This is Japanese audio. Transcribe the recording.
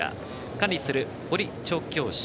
管理する堀調教師